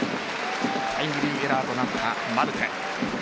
タイムリーエラーとなったマルテ。